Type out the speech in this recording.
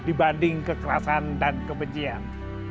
dibanding kekerasan dan kebencian